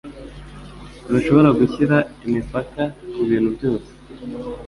Ntushobora gushyira imipaka kubintu byose.